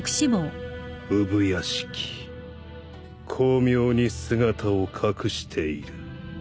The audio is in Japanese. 産屋敷巧妙に姿を隠している。